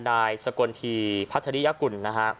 นายสกลทีพัทธริยกุล